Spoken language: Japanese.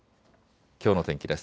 きょうの天気です。